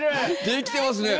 できてますね！